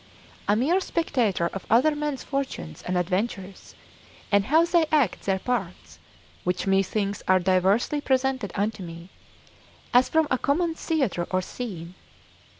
A mere spectator of other men's fortunes and adventures, and how they act their parts, which methinks are diversely presented unto me, as from a common theatre or scene.